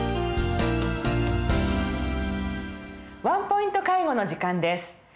「ワンポイント介護」の時間です。